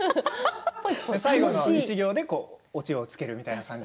最後の１行でオチをつけるみたいな。